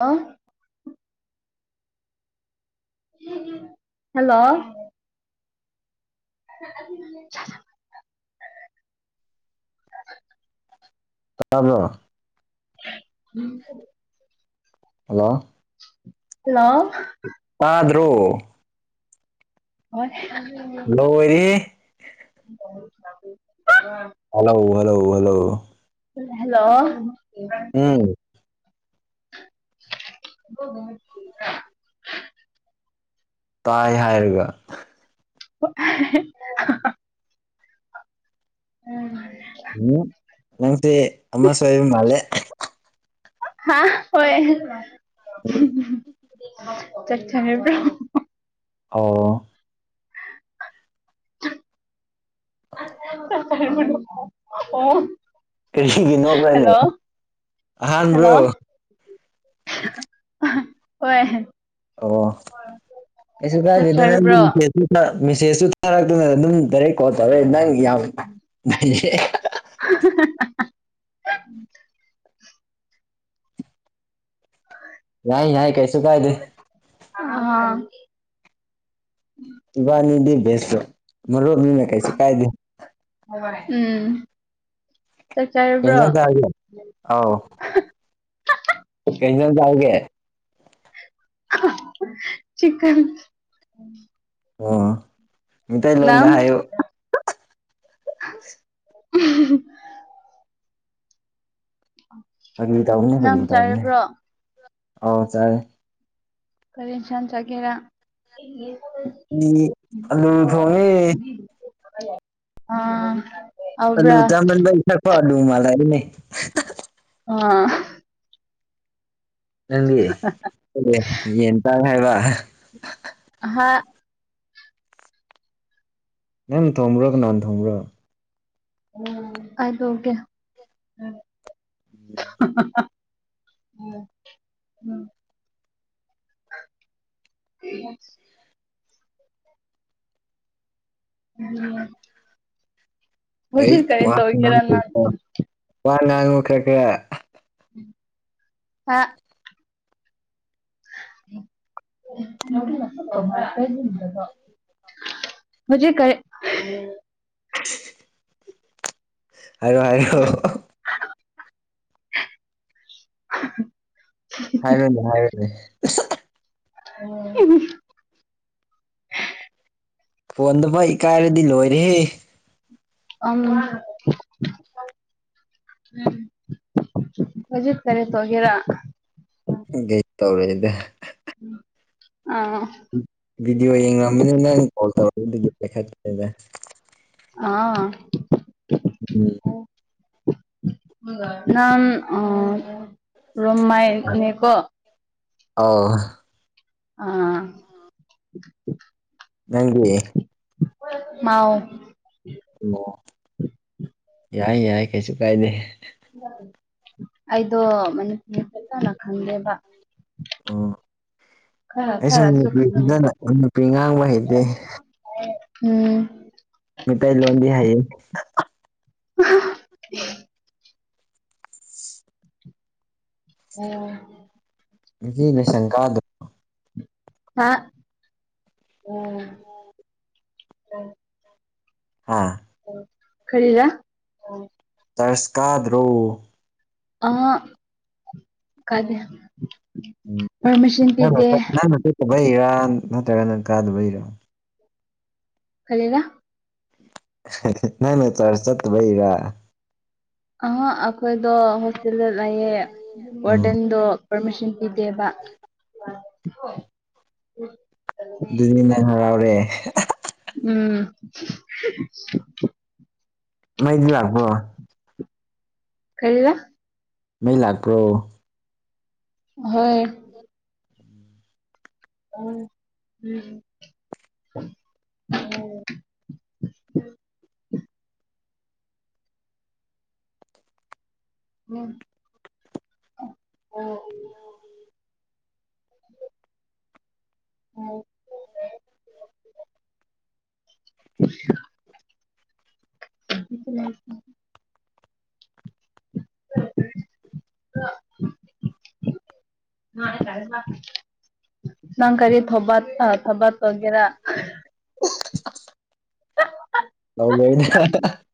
ꯑ ꯍꯜꯂꯣ [inaudible] ꯇꯕꯣ ꯎꯝ ꯍꯜꯂꯣ ꯍꯜꯂꯣ ꯭ꯔꯣ ꯍꯜꯂꯣ ꯂ ꯂꯧꯋꯥꯔꯤ ꯁꯨ ꯂ ꯍꯜꯂꯣ ꯍꯜꯂꯣ ꯍꯜꯂꯣ ꯍꯜꯂꯣ ꯎꯝ [inaudible] ꯇꯥꯏ ꯍꯥꯏꯔꯒ [inaudible] ꯎꯝ ꯅꯪꯗꯤ ꯑ ꯁꯏꯕ ꯃꯥꯂꯦ ꯍꯥꯥ ꯍꯣꯏ ꯆ ꯊꯃꯦꯕ ꯑꯣ [inaudible] ꯑꯣ ꯀꯔꯤꯒꯤ ꯅꯣꯛꯕ꯭ꯔꯅꯦ ꯍꯂꯣ ꯍꯂꯣ ꯑꯍꯥꯟꯕ꯭ꯔꯣ ꯍꯣꯏ ꯑꯣ ꯑꯩꯁꯨ ꯆꯥꯛ ꯀꯒꯦꯗꯅ ꯆꯥꯔꯕ꯭ꯔꯣ ꯃꯦꯁꯦꯖꯇꯨ ꯊꯥꯔꯛꯇꯅ ꯑꯗꯨꯝ ꯗꯥꯔꯦꯛ ꯀꯣꯜ ꯇꯧꯔꯛꯦ ꯅꯪ ꯌꯥꯎ [unintelligible] [inaudible] ꯎ [unintelligible] [inaudible] ꯌꯥꯏ ꯌꯥꯏ ꯀꯩꯁꯨ ꯀꯥꯏꯗꯦ ꯑ [unintelligible] [inaudible] ꯏꯕꯥꯅꯤꯗꯤ ꯦꯁꯂꯣ ꯃꯔ ꯃꯤꯅ ꯀꯩꯁꯤ ꯀꯥꯏꯗ ꯎꯝ ꯀꯩ ꯏꯟꯖꯥꯡ ꯆꯠꯆꯔꯕ꯭ꯔꯣ ꯆꯥꯔꯒꯦ ꯀꯩꯖꯟ ꯇꯎꯦ ꯆꯤꯟ [unintelligible] [inaudible] ꯑꯣ ꯃꯩꯇꯩꯂꯣꯟꯗ ꯍꯥꯏꯌꯨ [unintelligible] [inaudible] [unintelligible] [inaudible] ꯐꯥꯒꯤ ꯇꯧꯕꯥꯅꯤ ꯅꯪ ꯐꯒꯤ ꯇꯧꯕꯅꯤ ꯆꯥꯔꯕ꯭ꯔꯣ ꯑꯥꯎ ꯆꯔꯦ ꯀꯔꯤ ꯑꯦꯟꯁꯡ ꯆꯥꯒꯦꯔꯥ ꯎ ꯂ ꯊꯣꯡꯉꯅꯤ ꯑꯥ [unintelligible] [inaudible] [unintelligible] ꯃꯟꯂꯛ ꯑꯕꯥꯅꯦ ꯑꯥ [unintelligible] [inaudible] ꯅꯪꯗꯤ ꯌꯦꯟ ꯇꯥꯡ ꯍꯥꯏꯕ ꯍꯥ ꯅꯪ ꯅ ꯊꯣꯡꯝꯕ꯭ꯔꯣꯒ ꯀꯅꯥꯅꯥ ꯊꯣꯡꯕꯔꯣ ꯑꯗꯀꯦ [inaudible] ꯎꯝ ꯎꯝ [unintelligible] [inaudible] ꯎꯝ [inaudible] ꯎꯝ [inaudible] ꯑꯩ ꯋꯥ ꯅꯪ ꯋꯥ ꯀꯌꯥ ꯀ ꯍꯥ [inaudible] [unintelligible] [unintelligible] [inaudible] ꯍꯧꯖꯤ ꯀꯦ [unintelligible] [inaudible] ꯍꯥꯏꯔꯀꯣ ꯍꯥꯏꯔꯛ ꯑꯣ [unintelligible] [inaudible] ꯍꯥꯏꯋꯦꯅꯦ ꯍꯥꯏꯋꯦꯅꯦ ꯎ [unintelligible] [inaudible] ꯐꯣꯅ ꯗꯕꯨꯛ ꯏꯀꯥꯏꯔꯗꯤ ꯂꯣꯏꯔꯦ ꯑ [unintelligible] [inaudible] ꯍꯧꯖꯤꯛ ꯀꯔꯤ ꯇꯧꯒꯦꯔꯥ [unintelligible] ꯑ [unintelligible] [inaudible] ꯚꯗꯤꯑꯣ ꯌꯦꯡꯉꯃꯤꯅꯤꯅ ꯅꯪ ꯀꯣꯜ ꯇꯧꯔ ꯄꯥꯏꯈꯠꯦꯗ ꯑꯥ [unintelligible] ꯎꯝ ꯅꯝ ꯑ ꯔꯣꯃꯥꯏꯅꯤꯀꯣ ꯑ ꯑꯥ ꯅꯪꯗꯤ ꯃꯥꯎ ꯑꯣ ꯌꯥꯏ ꯌꯥꯏ ꯀꯩꯁꯨ ꯀꯥꯏꯗꯦ ꯑꯩꯗꯣ ꯃꯅꯤꯄꯨꯔ ꯐꯖꯅꯥ ꯈꯪꯗꯦꯕ ꯑ ꯈꯔ ꯑꯩꯁꯨ ꯈꯔꯁꯨ ꯈꯪꯉꯦ ꯅꯨꯄꯤꯗꯅ ꯅꯨꯄꯤ ꯉꯥꯡꯕ ꯍꯩꯇꯦ ꯎꯝ ꯃꯤ ꯇ ꯂꯣꯟꯣꯟꯗꯤ ꯍꯥꯏꯌꯦ [unintelligible] ꯑꯣ ꯉꯁꯤ ꯅ ꯁꯪꯀꯥ ꯑꯗꯨ ꯍꯥ ꯎꯝ ꯍꯥ ꯈꯔꯤꯔ ꯆꯔꯁꯀꯥꯗ꯭ꯔꯣ ꯑꯥ ꯀꯗꯦ [inaudible] ꯀꯔꯤꯔꯥ ꯅꯪ ꯅꯥ ꯆꯔ ꯆꯠꯕꯩꯔ ꯑ ꯑꯩꯈꯣꯏꯗ ꯍꯣꯁꯇꯦꯜꯗ ꯂꯩꯥꯏꯑꯌꯦ ꯎꯝ ꯋꯥꯗꯣ ꯄꯔꯃꯤꯁꯟ ꯀꯗꯦꯕ ꯑꯗꯨꯗꯤ ꯅꯪ ꯍꯔꯥꯎꯔꯦ ꯎꯝ ꯃꯩꯗꯤ ꯂꯥꯛꯄ꯭ꯔꯣ ꯀꯔꯤꯔ ꯃꯩ ꯂꯥꯛꯄ꯭ꯔꯣ ꯍꯣꯏ ꯎꯝ ꯎꯝ ꯎꯝ [inaudible] [unintelligible] [unintelligible] [inaudible] ꯎꯝ [unintelligible] ꯐ [inaudible] [unintelligible] ꯍ ꯆꯔꯦ [unintelligible] ꯅꯪ ꯀꯔꯤ ꯊꯣꯕꯥꯠ ꯊꯕꯥꯠ ꯇꯑꯣꯒꯦꯔ ꯂ ꯂꯅꯦ [unintelligible]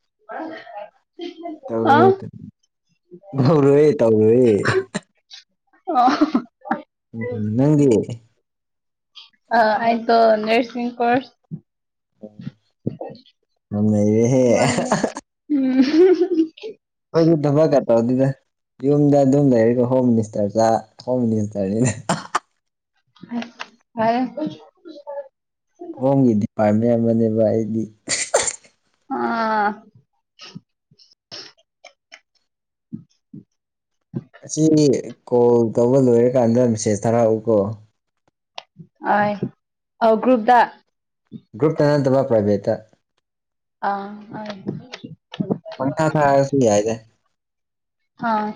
ꯑ [inaudible] ꯇꯧꯔ ꯍꯧꯧꯔꯨꯦ ꯇꯧꯔꯨꯏꯦ ꯑ [unintelligible] ꯎꯝ ꯅꯪꯒꯤꯦ ꯑ ꯑꯗꯣ ꯅꯔꯁꯤ ꯀꯣꯔꯔꯁ ꯌꯥꯝ ꯅꯩꯔꯦꯍꯦ ꯋꯥꯅꯦ ꯎꯝ ꯍꯣꯏ ꯙꯕ ꯀ ꯗ ꯌꯨꯝꯗ ꯑꯗꯨꯝ ꯂꯩꯔꯤꯀꯣ ꯍꯣꯝ ꯃꯤꯅꯤꯁꯇꯔ ꯍꯣꯝ ꯃꯤꯅꯤꯁꯇꯔꯅꯤꯅ ꯍꯥꯏ [unintelligible] ꯃꯌꯥꯝꯕꯅꯦꯕ ꯑꯩꯗꯤ ꯑꯥꯝ ꯎꯝ ꯎ [inaudible] ꯑꯁꯤ ꯀꯣꯜ ꯇꯧꯕ ꯂꯣꯏꯔꯀꯥꯟꯗ ꯃꯦꯁꯦꯖ ꯊꯥꯔꯛꯎꯀꯣ ꯑ ꯑ ꯒ꯭ꯔꯨꯞꯨꯞꯗ ꯒ꯭ꯔꯨꯞ ꯇꯅꯟꯗꯕ ꯄ꯭ꯔꯥꯏꯕꯦꯇ ꯑꯥ ꯑ ꯄꯟꯊꯥ ꯈꯥꯔ ꯁꯤ ꯌꯥꯏꯗꯦ ꯍꯥꯥ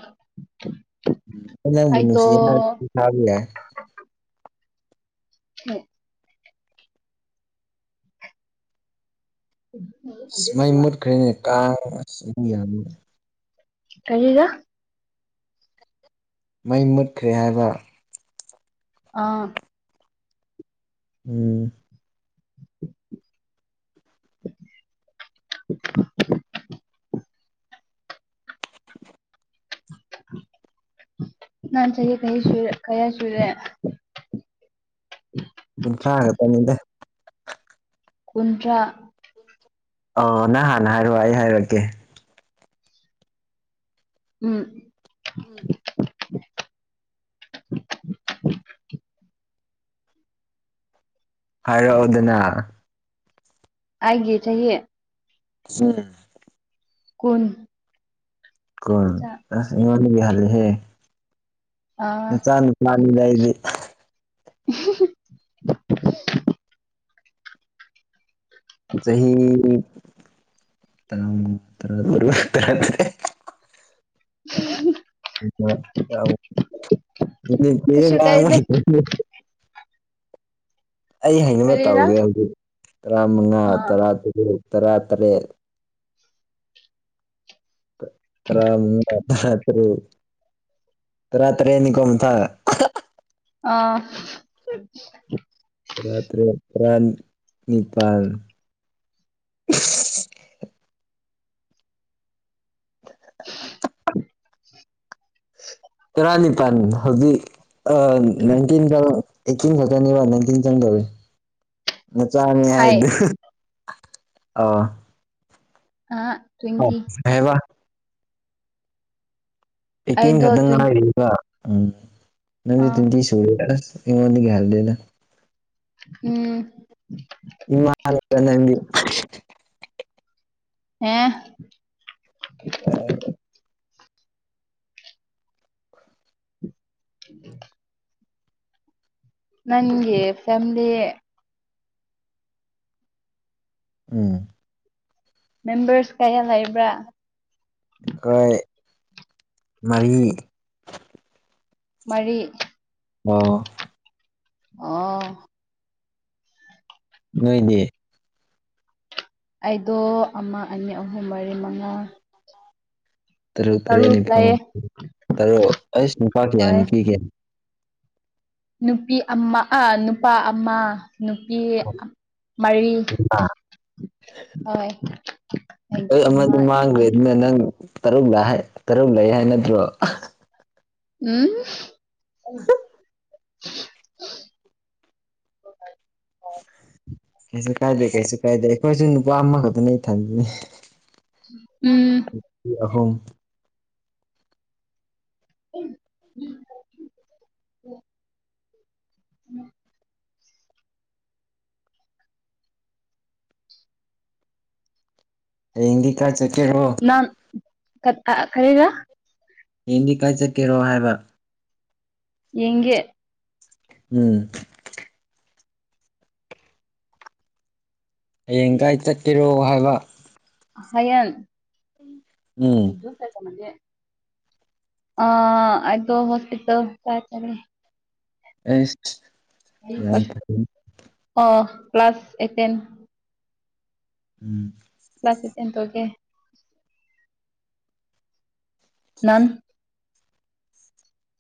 ꯅꯥꯪꯕꯨ ꯅꯨꯡꯁꯤ ꯌꯦꯅ ꯊꯔꯛ ꯑꯗꯨ ꯌꯥꯏ ꯍꯝ ꯁ ꯃꯩ ꯃꯨꯠꯈ꯭ꯔꯦꯅꯦ ꯀ ꯁ ꯌꯥꯅꯤ ꯀꯔꯤꯔ ꯃꯩ ꯃꯨꯠꯈ꯭ꯔꯦ ꯍꯥꯏꯕ ꯑꯥ ꯎꯝ [inaudible] [inaudible] ꯅꯥꯟ ꯁꯌꯦ ꯀ ꯁ ꯀꯌꯥ ꯁꯨꯨꯔꯦ ꯀꯨꯟꯊ꯭ꯔꯥ ꯈꯛꯇꯅꯤꯗ ꯀꯨꯟꯗ꯭ꯔꯥ ꯑꯣ ꯅꯪ ꯍꯥꯟꯅ ꯍꯥꯏꯔꯛꯑꯣ ꯑꯩ ꯍꯥꯏꯔꯛꯀꯦ ꯎꯝ [inaudible] ꯍꯥꯏꯔꯛꯑꯣꯗꯅ ꯑꯥꯏꯒꯦ ꯆꯍꯤꯌꯦ [unintelligible] ꯀꯨꯟ ꯀꯣ ꯑꯁ ꯏꯉꯣꯟ ꯂꯩꯒ ꯍꯥꯏꯂꯦ ꯍꯦ ꯑꯥ ꯅ ꯆꯅ ꯆꯥꯅꯤꯗꯏꯗꯤ ꯎꯍꯨꯍꯨ ꯆꯍꯤ [unintelligible] [unintelligible] ꯀꯩꯁꯨ ꯀꯥꯏꯗꯦ [unintelligible] ꯑꯩ ꯍꯥꯏꯅꯤꯡꯕ ꯀꯔꯤꯔ ꯇꯥꯎꯒꯦ ꯍꯧꯖꯤꯛ ꯇꯔꯥ ꯃꯉꯥ ꯑꯥ ꯇꯔꯥ ꯇꯔꯨꯛ ꯇꯔꯥ ꯇꯔꯦꯠ ꯇꯔꯥ [unintelligible] ꯇꯔꯥ ꯇꯔꯦꯠ ꯇꯔꯥ ꯇꯔꯦꯠꯅꯤ ꯀꯣꯝ ꯊ ꯑꯥ ꯔꯥꯇꯔꯦꯠ ꯇꯔꯥ ꯅꯤꯄꯥꯜ [unintelligible] [unintelligible] ꯇꯔꯥꯅꯤꯄꯥꯟ ꯍꯧꯖꯤꯛ ꯑꯏꯟꯇꯤꯟ ꯑꯩ ꯆꯤꯡ ꯈ ꯆꯅꯤꯕ ꯅ ꯅꯤꯡꯊꯤꯟ ꯆꯪꯗꯧꯋ ꯅ ꯆꯅꯤ ꯑꯩ ꯍꯥꯏꯗꯤ ꯑ ꯑꯥ ꯑ ꯇ꯭ꯋꯦꯟꯇꯤ ꯍꯥꯏꯕ ꯑꯩꯠꯇꯤꯟ ꯑꯩꯗꯣ ꯈꯛꯇꯪ ꯇ꯭ꯋꯦꯟ ꯉꯥꯏꯔꯏꯕ ꯎꯝ ꯅꯪꯗꯤ ꯑꯥ ꯇ꯭ꯋꯦꯟꯇꯤ ꯁꯨꯔꯦ ꯑ ꯏꯅꯤ ꯈꯔꯗꯅ ꯎꯝ ꯏꯃꯗꯤ ꯍꯥ ꯎꯝ ꯅꯪꯒꯤ ꯐꯃꯤꯂꯤ ꯎꯝ ꯃꯦꯝꯕꯔꯁ ꯀꯌꯥ ꯂꯩꯕ꯭ꯔꯥ ꯑꯩꯈꯣꯏ ꯃꯔꯤ ꯃꯔꯤ ꯑ ꯑ ꯅꯣꯏꯗꯤ ꯑꯩꯗꯣ ꯑꯃ ꯑꯅꯤ ꯑꯍꯨꯝ ꯃꯔꯤ ꯃꯉꯥ ꯇꯔꯣ ꯇꯔꯦꯅꯤ ꯇꯔꯨꯛ ꯀ ꯂꯩꯌꯦ ꯇꯔꯣ ꯑꯁꯄꯥ ꯀ ꯍꯣꯏ ꯄꯤ ꯀ ꯅꯨꯄꯤ ꯑꯃ ꯑꯥ ꯅꯨꯄꯥ ꯑꯃ ꯅꯨꯄꯤ ꯃꯔꯤ ꯍ ꯑꯩ ꯏꯃ ꯑꯃꯗꯤ ꯃꯥꯡꯈ꯭ꯔꯦ ꯑꯗꯨꯅ ꯅꯪ ꯇꯔꯨꯛ ꯂ ꯇꯔꯨꯛ ꯂꯩ ꯍꯥꯏ ꯅꯠꯇ꯭ꯔꯣ ꯎꯝ [unintelligible] ꯀꯩꯁꯨ ꯀꯥꯏꯗꯦ ꯀꯩꯁꯨ ꯀꯥꯏꯗꯦ ꯑꯩꯈꯣꯏꯁꯨ ꯅꯨꯄꯥ ꯑꯃꯈꯛꯇꯅ ꯏꯊꯟꯗꯅꯤ ꯎꯝ ꯑꯍꯨꯝ ꯎꯝ ꯎꯝ ꯑꯦꯒꯀꯥ ꯆꯀꯤꯔꯣ ꯈꯔꯦꯒ ꯌꯦꯡꯗꯤ ꯀꯥꯏ ꯆꯠꯀꯦꯔꯣ ꯍꯥꯏꯕ ꯌꯦꯒꯦ ꯎꯝ ꯍꯌꯦꯡꯒꯥꯏ ꯆꯠꯀꯦꯔꯣ ꯍꯥꯏꯕ ꯍꯌꯦꯟ ꯎꯝ ꯑꯟꯏꯟꯇꯦꯜꯂꯤꯖꯦꯕꯜ ꯑ ꯑꯗꯣ ꯍꯁꯄꯤꯇꯥꯜ ꯑꯟꯏꯟꯇꯦꯜꯂꯤꯖꯦꯕꯜ ꯑꯩꯁ ꯌꯥꯝ ꯐꯩ ꯑꯣ ꯀ꯭ꯂ꯭ꯂꯥꯁ ꯑꯦꯠꯇꯦꯟ ꯎꯝ ꯑꯦꯇꯦꯟ ꯇꯧꯒꯦ ꯅꯥꯟ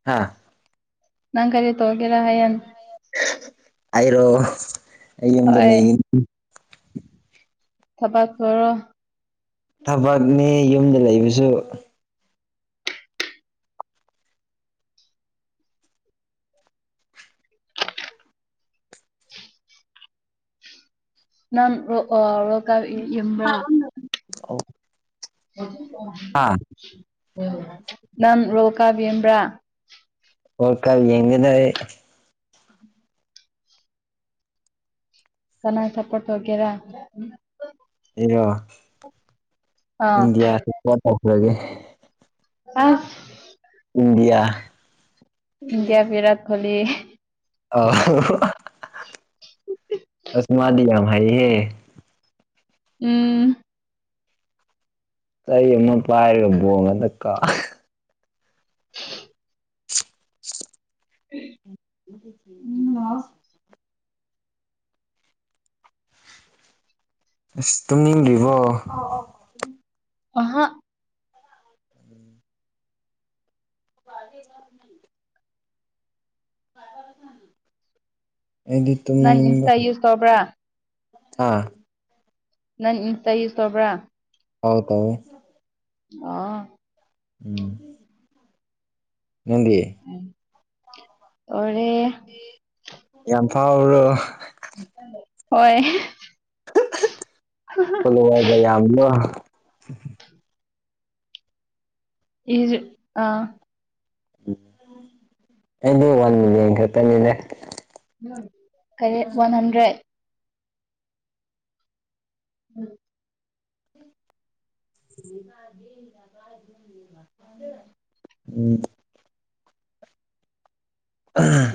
ꯍꯥꯥ ꯅꯪ ꯀꯔꯤ ꯇꯣꯒꯦꯔ ꯍꯥꯏꯌꯦꯟ ꯑꯩꯔꯣ ꯑꯩ ꯌꯨꯝꯗ ꯍꯣꯏ ꯂꯩꯅꯤ ꯊꯕꯛ ꯇꯧꯔꯣ ꯊꯕꯛꯅꯤ ꯌꯨꯝꯗ ꯂꯩꯕꯁꯨ ꯅꯥꯡ ꯔꯣ ꯑ ꯔꯣꯒꯥꯞ ꯌꯦꯡꯕ꯭ꯔꯥ ꯑꯣ ꯅꯝ ꯔꯣꯀꯥ ꯌꯦꯡꯕ꯭ꯔꯥ ꯑꯣ ꯀꯕꯤ ꯌꯦꯉꯟꯅ ꯀꯅꯥ ꯆꯄꯣꯠ ꯋꯥꯒꯦꯔ ꯎ ꯑꯦꯔ ꯑꯥ ꯏꯟꯗꯤꯌꯥꯁꯤ ꯄ ꯇꯧꯈ꯭ꯔꯒꯦ ꯑ ꯏꯟꯗꯤꯌꯥ ꯏꯟꯗꯤꯌꯥ ꯕꯤꯔꯥꯠ ꯀꯣꯍꯂꯤ ꯑ ꯑꯁꯃꯗ ꯌꯥꯝ ꯍꯥꯏꯥꯏ ꯍꯦ ꯎꯝ ꯑꯩ ꯑꯃ ꯄꯥꯏꯔꯒꯕꯣ ꯉꯗ ꯀꯥ ꯎꯝ ꯎꯝ ꯂ ꯑꯁ ꯇꯨꯝꯅꯤꯡꯗ꯭ꯔꯤꯕꯣ ꯑꯍ ꯑꯟꯏꯟꯇꯦꯜꯂꯤꯖꯦꯕꯜ ꯑꯩꯗꯤ ꯅꯪ ꯇꯨꯝꯕ ꯏꯟꯁꯇꯥ ꯌꯨꯁ ꯇꯧꯕ꯭ꯔꯥ ꯑꯥ ꯅꯪ ꯏꯟꯇ ꯏ ꯁꯣꯕ꯭ꯔꯥ ꯑꯥꯎ ꯇꯧꯋꯦ ꯑꯥ ꯎꯝ ꯅꯪꯗꯤ ꯑꯣꯔꯦ ꯌꯥꯝ ꯐꯥꯎ꯭ꯔꯣ ꯍꯣꯏ ꯐꯂ ꯋꯥꯏꯗ ꯌꯥꯝꯝꯕꯣ ꯏꯁꯨ ꯑꯥ ꯑꯩ ꯗꯤ ꯋꯥꯟ ꯗꯦ ꯈꯛꯇꯅꯤꯗ ꯀꯔ ꯋꯥꯟ ꯍꯟꯗ꯭ꯔꯦꯠ ꯎꯝ ꯎꯝ ꯎꯝ